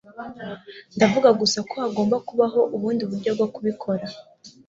Ndavuga gusa ko hagomba kubaho ubundi buryo bwo kubikora